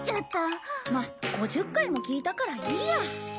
まあ５０回も聞いたからいいや。